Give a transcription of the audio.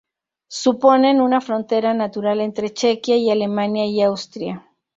Suponen una frontera natural entre Chequia y Alemania y Austria.